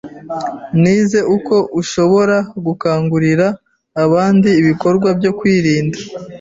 Nize uko ushobora gukangurira abandi ibikorwa byo kwirinda